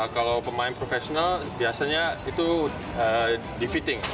kalau pemain profesional biasanya itu di fitting